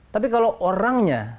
tapi kalau orangnya